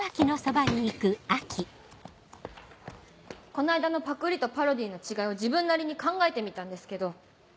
この間のパクリとパロディーの違いを自分なりに考えてみたんですけど。